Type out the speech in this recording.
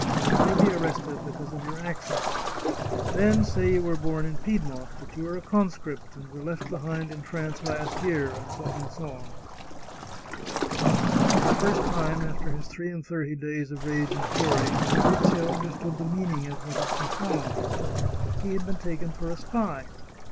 You may be arrested because of your accent. Then say you were born in Piedmont, that you are a conscript, and were left behind in France last year, etc." For the first time, after his three and thirty days of rage and fury, Fabrizio understood the meaning of what had befallen him. He had been taken for a spy